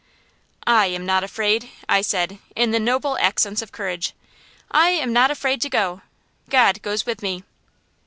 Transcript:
"I am not afraid," I said, in the noble accents of courage. "I am not afraid to go. God goes with me."